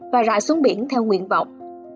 và rạ xuống biển theo nguyện vọng